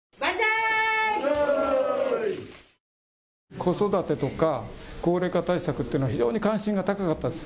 子育てとか高齢化対策というのは非常に関心が高かったです。